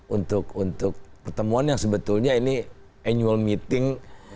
untuk pertemuan yang sebetulnya ini annual meeting